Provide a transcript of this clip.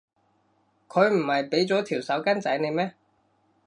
佢唔係畀咗條手巾仔你咩？